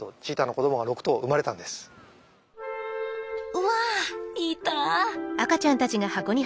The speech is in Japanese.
うわっいた！